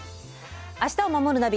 「明日をまもるナビ」